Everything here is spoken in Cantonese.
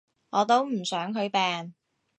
我都唔想佢病